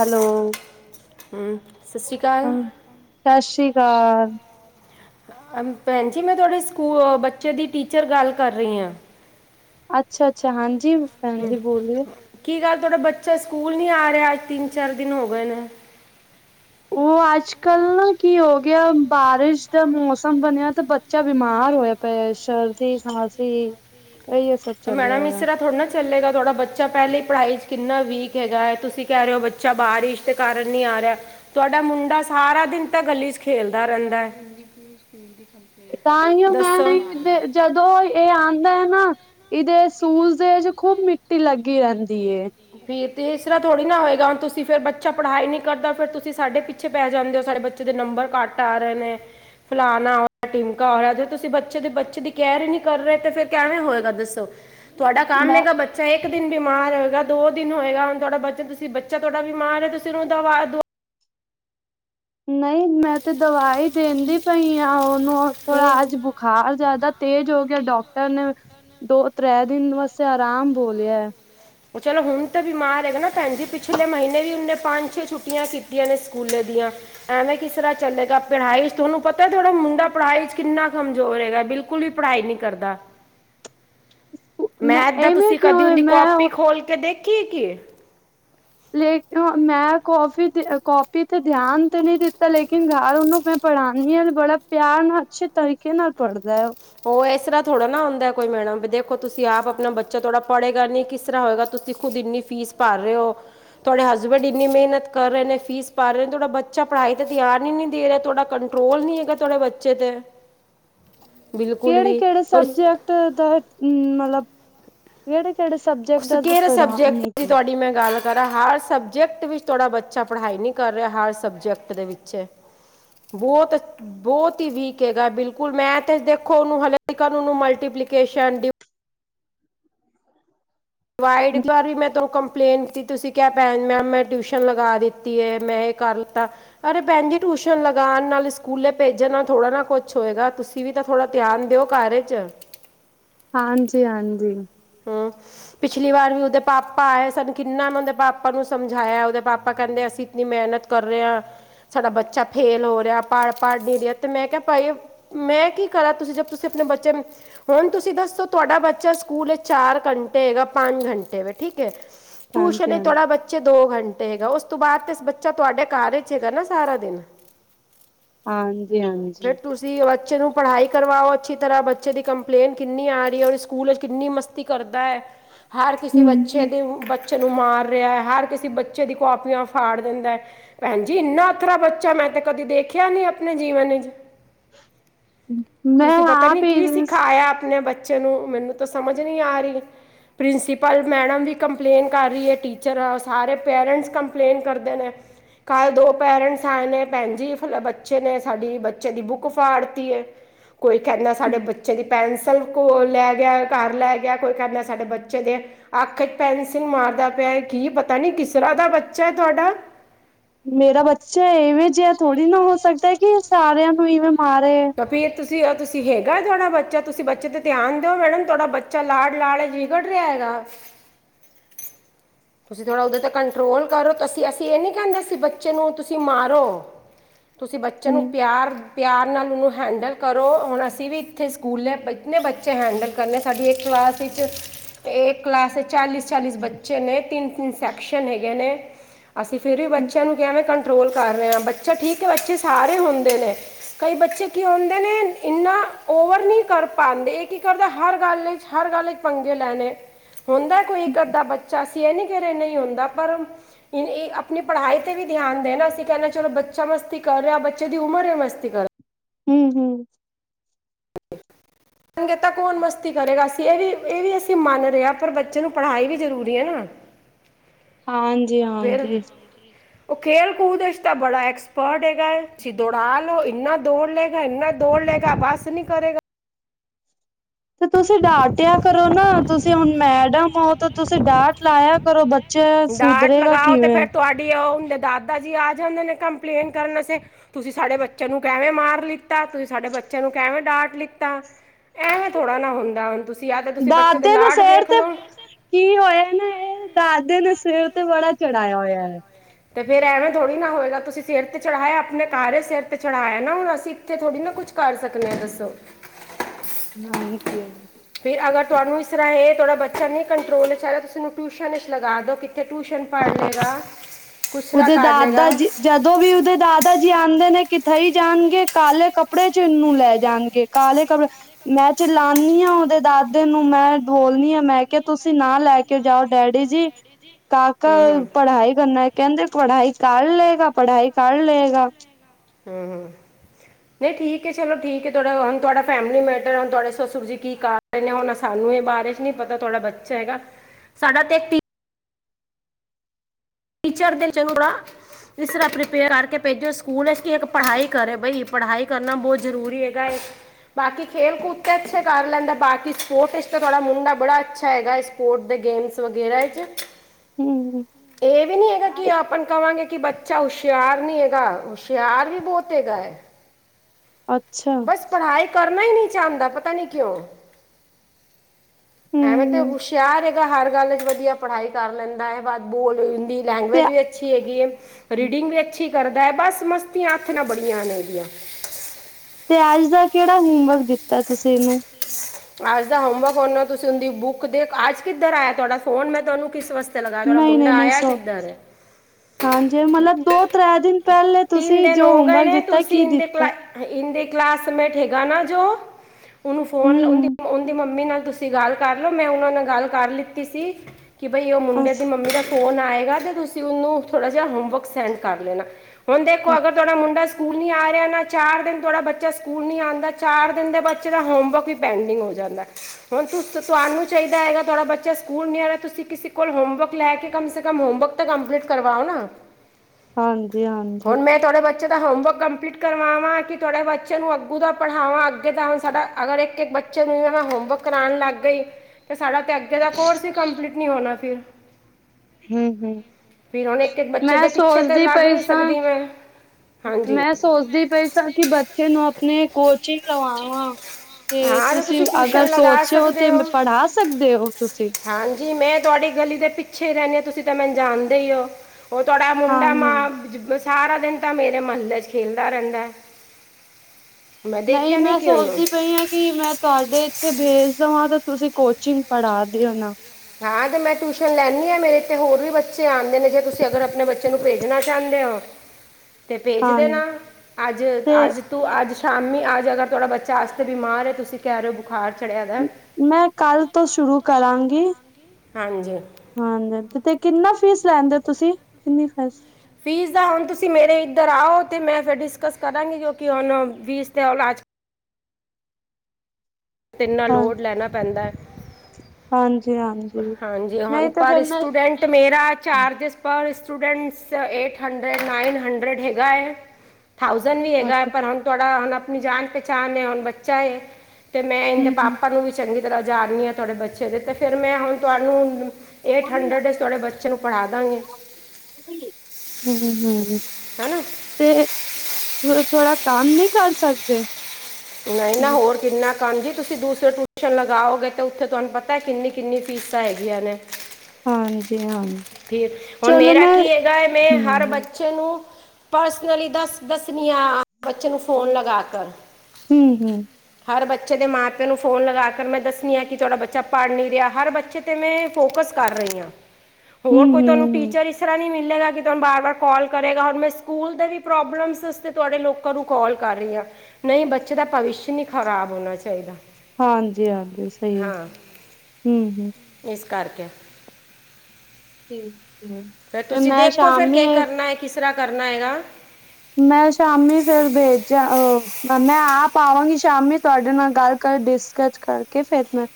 Hello, ਹਮ, ਸਤਿ ਸ਼੍ਰੀ ਹ ਅਕਾਲ ਸਤਿ ਸ੍ਰੀ ਅਕਾਲ ਭੈਣ ਜੀ, ਮੈਂ ਤੁਹਾਡੇ ਸਕੂਲ ਬੱਚੇ ਦੀ ਟੀਚਰ ਗੱਲ ਕਰ ਰਹੀ ਹਾਂ। ਅੱਛਾ-ਅੱਛਾ, ਹਾਂਜੀ ਮੈਮ ਜੀ ਬੋਲੀ ਏ ਥੋਡਾ ਬੱਚਾ ਸਕੂਲ ਨੀ ਆ ਰਿਹਾ, ਅੱਜ ਤਿੰਨ-ਚਾਰ ਦਿਨ ਹੋ ਗਏ ਨੇ? ਉਹ ਅੱਜ-ਕੱਲ ਨਾ ਕੀ ਹੋ ਗਿਆ, ਬਾਰਿਸ਼ ਦਾ ਮੌਸਮ ਬਣਿਆ, ਤੇ ਬੱਚਾ ਬਿਮਾਰ ਬੀਮਾਰ ਹੋਇਆ ਪਿਆ, ਸ਼ਰਦੀ, ਖਾਂਸੀ ਇਹੀ ਸਭ ਚੱਲਿਆ ਮੈਡਮ ਇਸ ਹੋਇਆ ਤਰਾ ਥੋੜਾ ਨਾ ਚੱਲੇਗਾ, ਥੋਡਾ ਬੱਚਾ ਪਹਿਲੇ ਹੀ ਪੜ੍ਹਾਈ 'ਚ ਕਿੰਨਾ ਵੀਕ ਹੈਗਾ ਐ, ਤੁਸੀਂ ਕਹਿ ਰਹੇ ਹੋ ਬੱਚਾ ਬਾਰਿਸ਼ ਦੇ ਕਾਰਨ ਨੀ ਆ ਰਿਹਾ, ਤੁਹਾਡਾ ਮੁੰਡਾ ਸਾਰਾ ਦਿਨ ਤਾਂ ਗਲੀ ਚ ਖੇਲਦਾ ਰਹਿੰਦਾ ਐ। ਤਾਂ ਹੀ ਮੈਂ ਜਦੋਂ ਇਹ ਆਦਾ ਐ ਨਾ ਇਹਦੇ ਸੂਜ ਦੇ ਚ ਖੂਬ ਮਿੱਟੀ ਲੱਗੀ ਰਹਿੰਦੀ ਏ ਫਿਰ ਤੇ ਇਸ ਤਰਾ ਥੋੜ੍ਹੀ ਨਾ ਹੋਏਗਾ, ਹੁਣ ਤੁਸੀਂ ਫੇਰ ਬੱਚਾ ਪੜ੍ਹਾਈ ਨਹੀਂ ਕਰਦਾ, ਫਿਰ ਤੁਸੀਂ ਸਾਡੇ ਪਿਛੇ ਪੈ ਜਾਂਦੇ ਹੋ ਸਾਡੇ ਬੱਚੇ ਦੇ ਨੰਬਰ ਨੰਬਰ ਘੱਟ ਆ ਰਹੇ ਨੇ। ਫਲਾਨਾ ਹੋਇਆ ਟਿਮਕਾ ਹੋਇਆ, ਜੇ ਤੁਸੀਂ ਬੱਚੇ ਦੀ ਬੱਚੇ ਦੀ ਕੇਅਰ ਹੀ ਨਹੀਂ ਕਰ ਰਹੇ ਤੇ ਫੇਰ ਕਿਵੇਂ ਹੋਏਗਾ ਦੱਸੋ? ਤੁਹਾਡਾ ਕੰਮ ਮੈਂ ਹੈਗਾ ਬੱਚਾ ਇੱਕ ਦਿਨ ਬਿਮਾਰ ਹੋਏਗਾ। ਦੋ ਦਿਨ ਹੋਏਗਾ, ਹੁਣ ਤੁਹਾਡਾ ਬੱਚਾ ਤੁਸੀਂ ਬੱਚਾ ਤੁਹਾਡਾ ਬਿਮਾਰ ਹੈ, ਤੁਸੀਂ ਉਹਨੂੰ ਦਵਾ ਨਹੀਂ ਮੈਂ ਤੇ ਦਵਾਈ ਦਿੰਦੀ ਪਈ ਆ ਔ ਥੋੜਾ ਫਿਰ ਅੱਜ ਬੁਖਾਰ ਜ਼ਿਆਦਾ ਤੇਜ਼ ਹੋ ਗਿਆ ਡਾਕ ਡਾਕਟਰ ਨੇ ਦੋ ਤ੍ਰੈ ਦਿਨ ਵਾਸਤੇ ਆਰਾਮ ਬੋਲਿਆ ਐ। ਉਹ ਚਲੋ ਹੁਣ ਤਾਂ ਬਿਮਾਰ ਹੈਗਾ, ਨਾ ਭੈਣ ਜੀ ਪਿਛਲੇ ਮਹੀਨੇ ਵੀ ਉਹਨੇ ਪੰਜ ਛੇ ਛੁੱਟੀਆਂ ਕੀਤੀਆਂ ਨੇ ਸਕੂਲੇ ਦੀ ਐਵੇਂ ਕਿਸ ਤਰ੍ਹਾਂ ਚੱਲੇਗਾ, ਪੜ੍ਹਾਈ ਚ ਥੋਨੂੰ ਪਤਾ ਥੋੜਾ ਮੁੰਡਾ ਪੜ੍ਹਾਈ ਚ ਕਿੰਨਾ ਕਮਜ਼ੋਰ ਹੈਗਾ। ਬਿਲਕੁਲ ਵੀ ਪੜ੍ਹਾਈ ਨਹੀਂ ਕਰਦਾ, ਮੈਂ ਮੈਥ ਦਾ ਇਵੇਂ ਤੁਸੀਂ ਕਿਉਂ ਕਦੀ ਹੈ, ਉਹਦੀ ‌ਕੋਪ ਮੈਂ ਕਾਪੀ ਖੋਲ ਕੇ ਦੇਖੀ ਏ ਕੀ? ਲੇ ਮੈਂ ਕੋਫੀ ਤੇ ਕੋਪੀ ਤੇ ਧਿਆਨ ਤੇ ਨਹੀਂ ਦਿੱਤਾ, ਲੇਕਿਨ ਘਰ ਉਹਨੂੰ ਮੈਂ ਪੜਾਨੀ ਆ ਬੜਾ ਪਿਆਰ ਨਾਲ ਅੱਛੇ ਤਰੀਕੇ ਨਾਲ ਪੜ੍ਹਦਾ ਐ, ਉਹ ਉਹ ਇਸ ਤਰ੍ਹਾਂ ਥੋੜ੍ਹਾ ਨਾ ਹੁੰਦਾ ਕੋਈ ਮੈਡਮ, ਵੀ ਦੇਖੋ ਤੁਸੀਂ ਆਪਣਾ ਬੱਚਾ ਥੋੜਾ ਪੜ੍ਹੇਗਾ, ਨੀ ਕਿਸ ਤਰਾਂ ਹੋਏਗਾ। ਤੁਸੀਂ ਖੁਦ ਇੰਨੀ ਫੀਸ ਭਰ ਰੇ ਔ, ਤੁਹਾਡੇ ਹਸਬੈਂਡ ਇੰਨੀ ਮਿਹਨਤ ਕਰ ਰਹੇ ਨੇ ਫੀਸ ਭਰ ਰਹੇ ਨੇ ਤੁਹਾਡਾ ਬੱਚਾ ਪੜ੍ਹਾਈ ਤੇ ਧਿਆਨ ਹੀ ਨੀ ਦੇ ਰਿਹਾ, ਤੁਹਾਡਾ ਕੰਟਰੋਲ ਨੀ ਹੈਗਾ ਤੁਹਾਡੇ ਬੱਚੇ ਤੇ ਬਿਲਕੁਲ ਵੀ ਕਿਹੜੇ-ਕਿਹੜੇ ਔਰ ਸ- ਸਬਜੈਕਟ ਦਾ ਮਤਲਬ ਕਿਹੜੇ ਕਿਹੜੇ ਸਬਜੈਕਟ ਸ- ਅ ਕਿਹੜੇ ਪੜਾ ਸਬਜੈਕਟ ਨੇ ਦੀ ਹੇਗੇ। ਤੁਹਾਡੀ ਮੈਂ ਗੱਲ ਹਰ ਸਬਜੈਕਟ ਵਿੱਚ ਥੋਡਾ ਬੱਚਾ ਪੜ੍ਹਾਈ ਨੀ ਕਰ ਰਿਹਾ, ਹਰ ਸਬਜੈਕਟ ਦੇ ਵਿੱਚ ਬਹੁਤ-ਬਹੁਤ ਹੀ ਵੀਕ ਹੈਗਾ, ਬਿਲਕੁਲ ਮੈਂ ਤੇ ਦੇਖੋ, ਉਹਨੂੰ ਹਲੇ ਤੱਕ ਉਹਨੂੰ ਮਲਟੀ ਐਪਲੀਕੇਸ਼ਨ, ਡੀ ਵਾਇਡ ਕਰ ਰਹੀ ਮੈਂ ਤੈਨੂੰ ਕੰ ਤੁਸੀਂ ਕਿਹਾ ਭੈਣ ਮੈ ਮੈਂ ਟਿਊਸ਼ਨ ਲਗਾ ਦਿੱਤੀ, ਐ ਮੈਂ ਇਹ ਕਰਤਾ ਅਰੇ ਬੈਣ ਜੀ ਟੂਸ਼ਨ ਟਿਊਸ਼ਨ ਲਗਾਣ ਨਾਲ ਸਕੂਲੇ ਭੇਜਣ ਨਾਲ ਥੋੜਾ ਨਾ ਕੁਛ ਹੋਏਗਾ, ਤੁਸੀਂ ਵੀ ਤਾਂ ਥੋੜਾ ਧਿਆਨ ਦਿਓ ਘਰ ਚ [unintelligible] ਹਾਂਜੀ-ਹਾਂਜੀ, ਹਮ ਪਿਛਲੀ ਵਾਰ ਵੀ ਉਹਦੇ ਪਾਪਾ ਆਏ, ਸਾਨੂੰ ਕਿੰਨਾ ਉਹਦੇ ਪਾਪਾ ਨੂੰ ਸਮਝਾਇਆ ਉਹਦੇ ਪਾਪਾ ਕਹਿੰਦੇ ਅਸੀਂ ਇਤਨੀ ਮਿਹਨਤ ਕਰ ਰੇ ਆ। ਸਾਡਾ ਬੱਚਾ ਫੇਲ ਹੋ ਰਿਹਾ, ਪੜ-ਪੜ ਨਹੀ ਰਿਹਾ ਤੇ ਮੈਂ ਕਿਹਾ ਭਾਈ ਮੈਂ ਕੀ ਕਰਾਂ ਤੁਸੀਂ ਜ ਤੁਸੀਂ ਬੱਚੇ ਹੁਣ ਤੁਸੀਂ ਦੱਸੋ? ਤੁਹਾਡਾ ਬੱਚਾ ਸਕੂਲ ਚ ਚਾਰ ਘੰਟੇ ਹੈਗਾ ਪੰਜ ਘੰਟੇ ਵੇ ਠੀਕ ਹੈ, ਟਿੂਊਸ਼ਨ ਚ ਹਾਂਜੀ ਤੁਹਾਡਾ ਬੱਚੇ ਦੋ ਘੰਟੇ ਤੇ ਹੈਗਾ। ਓਸਤੋਂ ਬਾਅਦ ਤੇ ਬੱਚਾ ਤੁਹਾਡੇ ਘਰ ਚ ਹੈਗਾ ਨਾ ਸਾਰਾ ਦਿਨ ਹਾਂਜੀ ਫੇਰ ਹਾਂਜੀ ਤੁਸੀ ਬੱਚੇ ਨੂੰ ਪੜ੍ਹਾਈ ਕਰਵਾਓ। ਅੱਛੀ ਤਰ੍ਹਾਂ ਬੱਚੇ ਦੀ ਕੰਪਲੇਂਨ ਕਿੰਨੀ ਆ ਰਹੀ ਹੈ। ਔਰ ਸਕੂਲ ਚ ਕਿੰਨੀ ਮਸਤੀ ਕਰ ਐ, ਹਰ ਕਿਸੀ ਬੱਚੇ ਹਮ ਦੇ ਉ ਬੱਚ ਬੱਚੇ ਨੂੰ ਮਾਰ ਰਿਹਾ ਹੈ। ਹਰ ਕਿਸੇ ਬੱਚੇ ਦੀ ਕਾਪੀਆਂ ਫਾੜ ਦਿੰਦਾ ਹੈ। ਭੈਣ ਜੀ ਇੰਨਾ ਅਥਰਾ ਬੱਚਾ ਮੈਂ ਮੈ ਤੇ ਕਦੇ ਦੇਖਿਆ ਨੀ ਅਪਣੇ ਜੀਵਨ ਚ ਮੈਂ ਤੁਸੀਂ ਪਤਾ ਨੀ ਆਪ ਕੀ ਸਿਖਾਇਆ। ਆਪਣੇ ਬੱਚੇ ਨੂੰ ਮੈਨੂੰ ਤਾਂ ਸਮਝ ਜ ਨੀ ਆ ਰਹੀ। ਪ੍ਰਿੰਸੀਪਲ ਮੈਡਮ ਵੀ ਕੰਪਲੇਂਨ ਕਰ ਰਹੀ ਏ। ਟੀਚਰ ਸਾਰੇ ਪੇਰੈਂਟਸ ਕੰਪਲੇਂਨ ਕਰਦੇ ਨੇ। ਕੱਲ੍ਹ ਦੋ ਪੇਰੈਂਟਸ ਆਏ ਨੇ। ਭੈਣ ਜੀ ਫ ਬੱਚੇ ਨੇ ਸਾਡੀ ਬੱਚੇ ਦੀ ਬੁੱਕ ਫਾੜਤੀ ਏ। ਕੋਈ ਕਹਿੰਦਾ ਸਾਡੇ ਬੱਚੇ ਦੀ ਪੈਨਸਿਲ ਕੋ ਲੈ ਗਿਆ ਘਰ। ਲੈ ਗਿਆ ਕੋਈ ਕਹਿਦਾ। ਸਾਡੇ ਬੱਚੇ ਦੇ ਅੱਖ ਚ ਪੈਨਸਿਲ ਮਾਰਦਾ ਪਿਆ ਐ। ਕੀ ਪਤਾ ਨੀ ਕਿਸਤਰ੍ਹਾ ਦਾ ਬੱਚਾ ਐ ਤੁਹਾਡਾ। ਮੇਰਾ ਬੱਚਾ ਏਵੇਂ ਜਿਹਾ ਥੋੜ੍ਹੀ ਨਾ ਹੋ ਸਕਦਾ‌ ਐ ਕਿ ਓ ਸਾਰਿਆਂ ਨੂੰ ਇਵੇਂ ਮਾਰੇ ਤਾਂ ਫੇਰ ਤੁਸੀਂ ਆ ਤੁਸੀਂ ਹੈਗਾ ਤੁਹਾਡਾ ਬੱਚਾ ਤੁਸੀਂ ਬੱਚੇ ਤੇ ਧਿਆਨ ਦਿਓ। ਮੈਡਮ ਤੁਹਾਡਾ ਬੱਚਾ ਲਾਡ-ਲਾਡ ਵਿਚ ਵਿਗੜ ਰਿਆ ਹੈਗਾ। [unintelligible] ਤੁਸੀ ਥੋੜਾ ਓਦੇ ਤੇ ਕੰਟਰੋਲ ਕਰੋ। ਅਸੀ-ਅਸੀ ਏਹ ਨੀ ਕਹਿੰਦੇ ਸੀ ਬੱਚੇ ਨੂੰ ਤੁਸੀ ਮਾਰੋ। ਤੁਸੀ ਬੱਚੇ ਨੂੰ ਹਮ ਪਿਆਰ-ਪਿਆਰ ਨਾਲ ਉਨੂੰ ਹੈਂਡਲ ਕਰੋ। ਹੁਣ ਅਸੀਂ ਵੀ ਇੱਥੇ ਸਕੂਲੇ ਕਿੰਨੇ ਬੱਚੇ ਹੈਂਡਲ ਕਰਨੇ ਸਾਡੀ ਏਕ ਕਲਾਸ ਵਿੱਚ ਏਕ ਕਲਾਸ ਚ ਚਾਲੀਸ-ਚਾਲੀਸ ਬੱਚੇ ਨੇ। ਤਿੰਨ-ਤਿੰਨ ਸੈਕਸ਼ਨ ਹੈਗੇ ਨੇ। ਅਸੀ ਫਿਰ ਵੀ ਬੱਚੇਆਂ ਨੂੰ ਕੈਵੇ ਕੰ ਟ੍ਰੋਲ ਕਰ ਰਹੇ ਹਾਂ। ਬੱਚਾ ਠੀਕ ਹੈ ਬੱਚੇ ਸਾਰੇ ਹੁੰਦੇ ਨੇ ਕਈ ਬੱਚੇ ਕੀ ਹੁੰਦੇ ਨੇ ਇੰਨਾ ਓਵਰ ਨਹੀਂ ਕਰ ਪਾਂਦੇ। ਇਹ ਕੀ ਕਰਦਾ ਹਰ ਗੱਲ ਚ ਹਰ ਗੱਲ ਚ ਪੰਗੇ ਲੈਣੇ। ਹੁੰਦਾ। ਕੋਈ ਇਕ-ਅੱਧਾ ਬੱਚਾ ਏਹ ਨੀ ਕਿ ਰੇ ਨਹੀਂ ਹੁੰਦਾ। ਪਰ ਏ ਅਪਣੀ ਪੜ੍ਹਾਈ ਤੇ ਵੀ ਧਿਆਨ ਦੇਣ ਅਸੀਂ ਕਹਿੰਨੇ ਚਲੋ ਬੱਚਾ ਮਸਤੀ ਕਰ ਰਿਹਾ। ਬੱਚੇ ਦੀ ਉਮਰ ਏ ਮਸਤੀ ਕਰਨ ਹੂੰ-ਹੂੰ। [inaudible] ਗੇਤਾ ਕੌਣ ਮਸਤੀ ਕਰੇਗਾ। ਅਸੀਂ ਏਹ ਵੀ ਏਹ ਵੀ ਅਸੀਂ ਮੰਨ ਰੇਆ। ਪਰ ਬੱਚੇ ਨੂੰ ਪੜ੍ਹਾਈ ਵੀ ਜ਼ਰੂਰੀ ਏ ਨਾ। [unintelligible] ਹਾਂਜੀ-ਹਾਂਜੀ। ਉਦੇ ਚ ਤਾਂ ਬੜਾ ਐਕਸਪਰਟ ਹੈਗਾ ਐ। ਦੌੜਾ ਲੋ ਐਨਾ ਦੌੜ ਲੇਗਾ-ਐਨਾ ਦੌੜ ਲੇਗਾ ਬਸ ਸ ਨਈ ਕਰੇਗਾ। ਤੇ ਤੁਸੀ ਡਾਟਿਆ ਕਰੋ ਨਾ। ਤੁਸੀ ਹੁਣ ਮੈਡਮ ਹੋ ਤੇ ਤੁਸੀ ਡਾਟ ਲਾਇਆ ਕਰੋ ਬ ਡਾਟ ਲਗਾਓ ਤੇ ਫੇਰ ਤੁਹਾਡੀ ਓ ਦਾਦਾ ਜੀ ਆ ਜਾਂਦੇ ਨੇ। ਕੰਪਲੇਂਨ ਕਰਨ ਐਸੇ ਤੁਸੀ ਸਾਡੇ ਬੱਚੇ ਨੂੰ ਕੈਵੇਂ ਮਾਰ ਲਿ ਤਾ ਤੁਸੀ ਸਾਡੇ ਬੱਚੇ ਨੂੰ ਕੈਵੇਂ ਡਾਟ ਲਿੱਤਾ। ਐਵੇਂ ਥੋੜਾ ਨਾ ਹੁੰਦਾ ਹੁਣ ਤੁ ਦਾਦੇ ਨੇ ਸੇਰ ਤੇ ਕੀ ਹੋਇਆ ਨੇ ਇਹ ਦਾਦੇ ਨੇ ਸਿਰ ਤੇ ਬੜਾ ਚੜਾਇਆ ਹੋਇਆ ਐ। ਤੇ ਫੇਰ ਐਵੇਂ ਥੋੜ੍ਹੀ ਨਾ ਹੋਏਗਾ। ਤੁਸੀ ਸਿਰ ਤੇ ਚੜਾਇਆ ਆਪਣੇ ਘਰ ਚ ਸਿਰ ਤੇ ਚੜਾਇਆ ਨਾ ਹੁਣ ਅਸੀ ਇੱਥੇ ਥੋੜੀ ਨਾ ਕੁਛ ਕੁਛ ਕਰ ਸਕਨੇ ਹਾਂ ਦੱਸੋ? ਹਾਂਜੀ। ਅਗਰ ਤੁਹਾਨੂੰ ਇਸ ਤਰਾਂ ਏਤੁਹਾਡਾ ਬੱਚਾ ਨਹੀਂ ਕੰਟਰੋਲ ਚ ਹੈਗਾ। ਤੁਸੀ ਏਸਨੂੰ ਟਿਊਸ਼ਨ ਚ ਲਗਾ ਦੋ ਕਿੱਥੇ ਟਿਊਸ਼ਨ ਪੜ ਲੇਗਾ। ਕੁਸਰਾ ਉਦੇ ਕਰ ਲੇਗਾ ਦਾਦਾ ਜੀ ਜਦੋਂ ਵੀ ਉਦੇ ਦਾਦਾ ਜੀ ਆਂਦੇ ਨੇ ਕਿ ਥਈ ਜਾਣਗੇ। ਕਾਲੇ ਕੱਪੜੇ ਚ ਇਨੂੰ ਲੈ ਜਾਣਗੇ ਕਾਲੇ ਕੱਪੜੇ ਮੈਂ ਚਲਾਨੀ ਹਾਂ। ਦੇ ਦਾਦੇ ਨੂੰ ਮੈਂ ਬੋਲਣੀ ਆ, ਮੈਂ ਕਿਹਾ ਤੁਸੀਂ ਨਾ ਲੈ ਕੇ ਜਾਓ ਡੈਡੀ ਜੀ। ਕਾਕਾ ਹੂੰ ਹੂੰ ਪੜ੍ਹਾਈ ਕਰਨਾ ਹੈ। ਕਹਿੰਦੇ ਪੜ੍ਹਾਈ ਕਰ ਲਏਗਾ-ਪੜ੍ਹਾਈ ਕਰ ਲਏਗਾ। ਹੂੰ-ਹੂੰ। ਨਹੀਂ ਠੀਕ ਹੈ ਚਲੋ ਠੀਕ ਹੈ ਤੁਹਾਡਾ ਹੁਣ ਤੁਹਾਡਾ ਫੈਮਲੀ ਮੈਟਰ ਹੈ ਹੁਣ ਤੁਹਾਡੇ ਸਸੁਰ ਜੀ ਕੀ ਕਰ ਰਹੇ ਨੇ ਹੁਨ ਸਾ ਇਹ ਬਾਰੇ ਚ ਨਹੀਂ ਪਤਾ ਤੁਹਾਡਾ ਬੱਚਾ ਹੈਗਾ? ਸਾਡਾ ਤੇ [inaudible] ਚੜਦੇ ਚੜਾ। ਇਸ ਤਰ੍ਹਾਂ ਪ੍ਰਪੇਅਰ ਕਰਕੇ ਭੇਜਿਆ ਸਕੂਲ ਵਿੱਚ ਕਿ ਇੱਕ ਪੜ੍ਹਾਈ ਕਰੇ ਬਈ ਪੜ੍ਹਾਈ ਕਰਨਾ ਬਹੁਤ ਜ਼ਰੂਰੀ ਹੈਗਾ। ਬਾਕੀ ਖੇਲ ਕੂਦ ਤੇ ਅੱਛੇ ਕਰ ਲੈਂਦਾ। ਬਾਕੀ ਸਪੋਰਟ ਵਿੱਚ ਤੁਹਾਡਾ ਮੁੰਡਾ ਬੜਾ ਅੱਛਾ ਹੈਗਾ। ਸਪੋਰਟ ਦੇ ਗੇਮਸ ਵਗੈਰਾ ਵਿਚ। ਇਹ ਵੀ ਨੀ ਹੈਗਾ। ਕਿ ਆਪਨ ਕਵਾਂਗੇ, ਕਿ ਬੱਚਾ ਹੁਸ਼ਿਆਰ। ਹੁਸ਼ਿਆਰ ਨੀ ਹੈਗਾ। ਹੁਸ਼ਿਆਰ ਵੀ ਬਹੁਤ ਹੈਗਾ ਹੈ। ਅੱਛਾ ਬਸ ਪੜ੍ਹਾਈ ਕਰਨਾ ਹੀ ਨਹੀਂ ਚਾਹੁੰਦਾ। ਪਤਾ ਨੀ ਕਿਉਂ? ਐਵੇਂ ਤੇ ਹੂੰ-ਹੂੰ ਹੁਸ਼ਿਆਰ ਏ। ਹਰ ਗੱਲ ਚ ਵਧੀਆ ਪੜ੍ਹਾਈ ਕਰ ਲੈਂਦਾ ਹੈ। ਬਸ ਬੋਲ ਹਿੰਦੀ। ਤੇ ਲੈਂਗੁਏਜ ਵੀ ਅੱਛੀ ਹੈਗੀ ਹੈ। ਰੀਡਿੰਗ ਵੀ ਅੱਛੀ ਕਰਦਾ ਹੈ, ਬਸ ਮਸਤੀਆਂ ਅੱਤ ਨਾ ਬੜੀਆਂ ਨੇ ਇਹਦੀਆਂ। ਤੇ ਅੱਜ ਦਾ ਕਿਹੜਾ ਹੋਮਵਰਕ ਦਿੱਤਾ ਤੁਸੀਂ ਇਹਨੂੰ? ਅੱਜ ਦਾ ਹੋਮਵਰਕ ਔਨੁ ਤੁਸੀਂ ਉਹਦੀ ਬੁੱਕ ਦੇਖ। ਅੱਜ ਕਿੱਧਰ ਆਇਆ ਤੁਹਾਡਾ ਫੋਨ ਮੈਂ ਤੁਹਾਨੂੰ ਕਿਸ ਵਾਸਤੇ। ਲਗਾਇਆ, ਮੁੰਡਾ ਨਹੀਂ-ਨਹੀਂ-ਨਹੀਂ ਆਇਆ ਸੋ ਕਿੱਦਣ ਏ? ਹਾਂਜੀ ਮਤਲਬ ਦੋ ਤ੍ਰੈ ਦਿਨ ਪਹਿਲੇ ਤਿੰਨ ਤੁਸੀਂ ਦਿਨ ਜੋ ਹੋ ਗਏ ਹੋਮਵਰਕ ਨੇ, ਦਿੱਤਾ ਤੁਸੀਂ ਕੀ ਇਂਦੇ ਕੋਲ ਦਿੱਤਾ ਇਂਦੇ। ਕਲਾਸਮੇਟ ਹੈਗਾ ਨਾ ਜੋ ਉਹਨੂੰ ਫੋਨ। ਹੂੰ-ਹੂੰ ਦੀ ਮੰਮੀ ਨਾਲ ਤੁਸੀਂ ਗੱਲ ਕਰ ਲਓ। ਮੈਂ ਉਹਨਾਂ ਨਾਲ ਗੱਲ ਕਰ ਲਿੱਤੀ ਸੀ। ਕਿ ਬਈ ਉਹ ਮੁੰਡੇ ਦੀ ਅੱਛਾ ਮੰਮੀ ਦਾ। ਫੋਨ ਆਏਗਾ ਤੇ ਤੁਸੀਂ ਉਹਨੂੰ ਥੋੜਾ ਜਿਹਾ ਹੋਮਵਰਕ ਸੈਂਡ ਕਰ ਲੈਣਾ। ਹੁਣ ਦੇਖੋ ਅਗਰ ਤੁਹਾਡਾ ਮੁੰਡਾ ਸਕੂਲ ਨੀ ਆਰਿਹਾ ਨਾ ਚਾਰ ਦਿਨ ਥੋੜਾ ਬੱਚਾ ਸਕੂਲ ਨੀ ਆਉਂਦਾ ਚਾਰ ਦਿਨ ਦੇ ਬੱਚੇ ਦਾ ਹੋਮਵਰਕ ਵੀ ਪੈਂਡਿੰਗ ਹੋ ਜਾਂਦਾ। ਹੁਣ ਤੁਹਾਨੂੰ ਚਾਹੀਦਾ ਹੈਗਾ ਤੁਹਾਡਾ ਬੱਚਾ ਸਕੂਲ ਨੀ ਆ ਰਿਹਾ ਤੁਸੀਂ ਕਿਸੇ ਕੋਲ ਹੋਮ ਲੈ ਕੇ ਕਮ ਸੇ ਕਮ ਹੋਮਵਰਕ ਤਾਂ ਕੰਪਲੀਟ ਕਰਵਾਓ ਨਾ। ਹਾਂਜੀ ਹਾਂਜੀ। ਹੁਣ ਮੈਂ ਤੁਹਾਡੇ ਬੱਚੇ ਦਾ ਹੋਮਵਰਕ ਕੰਪਲੀਟ ਕਰਵਾਵਾਂ, ਕਿ ਤੁਹਾਡੇ ਬੱਚੇ ਨੂੰ ਅੱਗੂ ਦਾ ਪੜ੍ਹਾਵਾਂ। ਅੱਗੇ ਤਾਂ ਹੁਣ ਸਾਡਾ ਅਗਰ ਇੱਕ ਇੱਕ ਬੱਚੇ ਨੂੰ ਮੈਂ ਹੋਮਵਰਕ ਕਰਾਉਣ ਲੱਗ ਗਈ, ਤੇ ਸਾਡਾ ਤੇ ਅੱਗੇ ਦਾ ਕੋਰਸ ਹੀ ਕੰਪਲੀਟ। ਨਹੀਂ ਹੋਣਾ ਫਿਰ। ਹੂੰ-ਹੂੰ ਫਿਰ ਹੁਣ ਇੱਕ-ਇੱਕ ਬੱਚੇ ਮੈਂ ਦੇ ਪਿੱਛੇ ਤੇ ਸੋਚਦੀ ਲੱਗ ਪਈ ਨਹੀਂ ਸਾਂ ਸਕਦੀ ਮੈਂ। ਹਾਂਜੀ ਮੈਂ ਸੋਚਦੀ ਪਈ ਸ। ਕਿ ਬੱਚੇ ਨੂੰ ਆਪਣੇ ਕੋਚਿੰਗ ਲਵਾਵਾਂ। ਤੇ ਹਾਂ ਤੇ ਤੁਸੀਂ ਅਗਰ ਟਿਊਸ਼ਨ ਲਗਾ ਸੋਚਿਓ ਸਕਦੇ ਤੇ ਹੋ ਪੜ੍ਹਾ ਸਕਦੇ ਹੋ ਤੁਸੀਂ? ਹਾਂਜੀ ਮੈਂ ਤੁਹਾਡੀ ਗਲੀ ਦੇ ਪਿੱਛੇ ਰਹਿੰਦੀ ਹਾਂ ਤੁਸੀਂ ਤਾਂ ਮੈਨੂੰ ਜਾਣਦੇ ਹੀ ਹੋ। ਉਹ ਤੁਹਾਡਾ ਹਾਂਜੀ। ਮੁੰਡਾ [inaudible] ਸਾਰਾ ਦਿਨ ਤਾਂ ਮੇਰੇ ਮਹੱਲੇ ਚ ਖੇਲਦਾ ਰਹਿੰਦਾ ਹੈ। ਮੈਂ ਨਹੀਂ, ਦੇਖਿਆ ਮੈਂ ਕਿ ਉਹਨੂੰ ਸੋਚਦੀ ਪਈ ਹਾਂ ਕਿ ਮੈਂ ਤੁਹਾਡੇ ਇੱਥੇ ਭੇਜ। ਸਮਾਂ ਤਾਂ ਤੁਸੀਂ ਕੋਚਿੰਗ ਪੜ੍ਹਾ ਦਿਓ ਨਾ। ਹਾਂ, ਤੇ ਮੈਂ ਟਿਊਸ਼ਨ ਲੈਦੀ ਹਾਂ ਮੇਰੇ ਤੇ ਹੋਰ ਵੀ ਬੱਚੇ। ਆਉਂਦੇ ਨੇ। ਜੇ ਤੁਸੀਂ ਅਗਰ ਆਪਣੇ ਬੱਚੇ ਨੂੰ ਭੇਜਣਾ ਚਾਹੁੰਦੇ ਹੋ। ਤੇ ਭੇਜ ਦੇ ਹਾਂਜੀ ਨਾ। ਅੱਜ, ਤੇ ਅੱਜ ਤੂੰ ਅੱਜ ਸ਼ਾਮੀ। ਅੱਜ ਅਗਰ ਤੁਹਾਡਾ ਬੱਚਾ ਬਿਮਾਰ ਹੈ ਤੁਸੀਂ ਕਹਿ ਰਹੇ ਹੋ। ਬੁਖਾਰ ਚੜਿਆ ਦਾ ਹੈ। ਮੈਂ ਕੱਲ ਤੋਂ ਸ਼ੁਰੂ ਕਰਾਂਗੀ। ਹਾਂਜੀ ਹਾਂਜੀ, ਤੇ ਕਿੰਨਾ ਫੀਸ ਲੈਂਦੇ ਹੋ ਤੁਸੀਂ? ਕਿੰਨੀ ਫੀਸ? ਫੀਸ ਦਾ ਹੁਣ ਤੁਸੀਂ ਮੇਰੇ ਇੱਧਰ ਆਓ, ਤੇ ਮੈਂ ਫਿਰ ਡਿਸਕਸ ਕਰਾਂਗੀ ਕਿਉਂਕਿ ਹੁਣ ਫੀਸ ਤੇ ਹੁਣ ਅੱਜ ਕਿੰਨਾ ਹਾਂ ਲੋਡ ਲੈਣਾ ਪੈਂਦਾ ਹੈ। ਹਾਂਜੀ ਹਾਂਜੀ ਹਾਂਜੀ, ਹੁਣ ਨਹੀਂ ਤੇ ਫਿਰ ਪਰ ਮੈਂ ਸਟੂਡੈਂਟ ਮੇਰਾ ਚਾਰਜਸ ਪਰ students eight hundred, nine hundred ਹੈਗਾ ਹੈ। ਥਾਊਜੈਂਡ ਵੀ ਹੈਗਾ। ਅੱਛਾ ਪਰ ਹੁਣ ਥੋੜ੍ਹਾ ਹੁਣ ਆਪਣੀ ਜਾਣ ਪਹਿਚਾਣ ਹੈ। ਹੁਣ ਬੱਚਾ ਹੈ। ਤੇ ਮੈਂ ਇਹਦੇ ਹੂੰ ਹੂੰ। ਪਾਪਾ ਨੂੰ ਵੀ ਚੰਗੀ ਤਰ੍ਹਾਂ ਜਾਣਨੀ ਹਾਂ ਤੁਹਾਡੇ ਬੱਚੇ ਦੇ ਤੇ। ਫਿਰ ਮੈਂ ਹੁਣ ਤੁਹਾਨੂੰ ਏਟ ਹੰਡਰਡ ਤੁਹਾਡੇ ਬੱਚੇ ਨੂੰ ਪੜ੍ਹਾ ਦਾਂਗੀ। ਹਮ-ਹਮ ਹੈਣਾ ਥੋੜਾ-ਥੋੜਾ ਕੰਮ ਨਹੀਂ ਕਰ ਸਕਦੇ? ਮੈਂ ਨ ਹੋਰ ਕਿੰਨਾ ਕਾਂਜੀ, ਤੁਸੀਂ ਦੂਸਰੇ ਟੁਸ਼ਨ ਲਗਾਓਗੇ, ਤੇ ਓਥੇ ਤੁਹਾਨੂੰ ਪਤਾ, ਕਿੰਨੀ ਕਿੰਨੀ ਫੀਸਾਂ ਹੈਗੀਆਂ ਨੇ। ਹਾਂਜੀ ਹਾਂ। ਪਿਰ, ਹੁਣ ਮੇਰਾ ਕੀ ਐਗਾਅ, ਮੈਂ ਹੂੰ ਹਰ ਹੂੰ ਬੱਚੇ ਨੂੰ ਪਰਸਨਲੀ ਦੱਸ ਦੱਸ ਨੀਆ, ਬੱਚੇ ਨੂੰ ਫੋਨ ਲਗਾ ਕਰ, ਹੂੰ ਹਰ ਬੱਚ ਬੱਚੇ ਦੇ ਮਾਂ ਪਿਓ ਨੂੰ ਫੋਨ ਲਗਾ ਕਰ, ਮੈਂ ਦੱਸਨੀਆ ਕਿ ਤੁਹਾਡਾ ਬੱਚਾ ਪੜ੍ਹ ਨੀ ਰਿਹਾ। ਹਰ ਬੱਚੇ ਤੇ ਮੈਂ ਫੋਕਸ ਕਰ ਰਹੀ ਨੀਆ, ਹੂੰ ਹੋਰ ਕੋਈ ਹੂੰ ਤੋਂਨੂੰ ਹੂੰ ਟੀਚਰ ਇਸ ਤਰ੍ਹਾਂ ਨੀ ਮਿਲ ਮਿਲੇਗਾ ਕਿ ਤੁਹਾਨੂੰ ਵਾਰ-ਵਾਰ ਕੋਲ ਕਰੇਗਾ। ਹੁਨ ਮੈਂ ਸਕੂਲ ਦੇ ਵੀ ਪ੍ਰੋਬਲਮਸ ਅਸਤੇ ਤੁਹਾਡੇ ਲੋਕਾਂ ਨੂੰ ਕੋਲ ਕਰ ਰਹੀ ਹਾਂ। ਨਹੀਂ, ਬੱਚੇ ਦਾ ਭਵਿੱਸ਼ ਨਹੀਂ ਖ਼ਰਾਬ ਹੋਣਾ ਚਾਹੀਦਾ। ਹਾਂਜੀ ਹਾਂਜੀ। ਸਹੀ, ਹਾਂ ਹਮ ਹਮ। ਇਸ ਕਰਕੇ ਠੀਕਐ, ਫਿਰ ਤੁਸੀਂ ਮੈਂ ਦੇਖੋ ਫਿਰ ਸ਼ਾਮੀ ਕੀ [unintelligible] ਕਰਨਾ ਹੈਗਾ ਮੈਂ ਸ਼ਾਮੀ, ਫੇਰ ਵੇਚ ਅ ਮੈਂ ਆਪ ਆਵਾਂਗੀ। ਸ਼ਾਮੀ, ਤੁਹਾਡੇ ਨਾਲ ਗੱਲ ਕਰ, ਡਿਸਕਚ ਕਰਕੇ, ਫਿਰ ਮੈ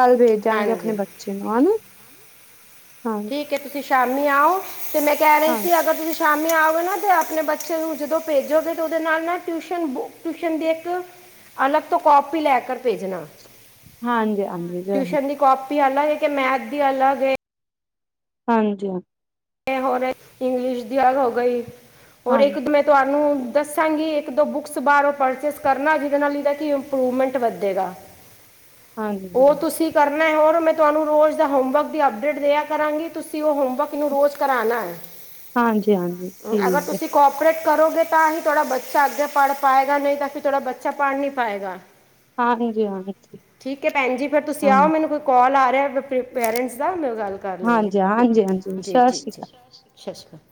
ਕੱਲ ਵੇਚ ਆਂਗੇ, ਅਪਨੇ ਹਾਂਜੀ ਬੱਚੇ ਨੂੰ, ਅਨ ਠੀਕ ਹੈ, ਤੁਸੀਂ ਸ਼ਾਮੀ ਆਓ, ਤੇ ਮੈਂ ਕਹਿ ਰਹੀ ਹਾਂ ਸੀ, ਅਗਰ ਤੁਸੀਂ ਸ਼ਾਮੀ ਆਓਗੇ ਨਾ, ਤੇ ਅਪਨੇ ਬੱਚੇ ਨੂੰ, ਜਦੋਂ ਭੇਜੋਗੇ, ਤੇ ਓਦੇ ਨਾਲ-ਨਾਲ ਟੁਸ਼ਨ ਟੁਸ਼ਨ ਦੀ ਇਕ ਅਲਗ ਤੋਂ ਕੋਪੀ ਲੈ ਕਰ ਭੇਜਣਾ। ਹਾਂਜੀ, ਹਾਂਜੀ ਜ ਵੀ ਅਲਗ ਹੈ, ਕਿ ਮੈਥ ਵੀ ਅਲਗ ਹੈ। ਹਂਜੀ ਹਾਂ। ਹੋਰ ਇੰਗਲਿਸ਼ ਦੀ ਅਗ ਹੋ ਗਈ। ਹੋਰ ਹਾਂ ਇੱਕ, ਮੈਂ ਤੁਹਾਨੂੰ ਦੱਸਾਂਗੀ, ਇੱਕ ਦੋ ਬੁੱਕਸ ਬਾਰੋਂ ਪਰਚੇਸ ਕਰਨਾ, ਜਿਦੇ ਨਾਲ ਇਦਾ ਕਿ ਇੰਪਰੂਵਮੈਂਟ ਵੱਧੇਗਾ। ਹਾਂਜੀ ਹਾਂ। ਮੈ ਹੋਰ, ਮੈਂ ਤੁਹਾਨੂੰ ਰੋਜ਼ ਦਾ ਹੋਮਵਰਕ ਦੀ ਅਪਡੇਟ ਦਿਆ ਕਰਾਂਗੀ। ਤੁਸੀਂ ਉਹ ਹੋਮਵਰਕ ਇਨੂੰ ਰੋਜ਼ ਕਰਾਨਾ, ਹਾਂਜੀ ਹਾਂਜੀ ਅਗਰ ਠੀਕ ਹੈ ਤੁਸੀਂ ਕੋਪਰੇਟ ਕਰੋਗੇ, ਤਾਂ ਹੀ ਥੋਡਾ ਬੱਚਾ ਅੱਗੇ ਪੜ੍ਹ ਪਾਏਗਾ। ਨਹੀਂ ਤਾਂ ਫਿਰ, ਥੋੜ੍ਹਾ ਬੱਚਾ ਪੜ੍ਹ ਨੀ ਪਾਏਗਾ। ਹਾਂਜੀ ਹਾਂਜੀ ਠੀਕ ਹੈ ਭੈਣਜੀ। ਫੇਰ ਤੁਸੀਂ ਹਾਂ ਆਓ, ਮੈਨੂੰ ਕੋਈ ਕੋਲ ਆ [unintelligible] ਪੇਰੈਂਟਸ ਦਾ ਮੈਂ ਗੱਲ ਕਰ ਲਈ। ਹ, ਹਾਂਜੀ ਠੀਕ ਹੈ ਹਾਂਜੀ ਹਾਂਜੀ ਸਤਿ ਜੀ। ਜੀ, ਸ਼੍ਰੀ ਅਕਾਲ ਜੀ। ਸਤਿ ਸ਼੍ਰੀ ਅਕਾਲ।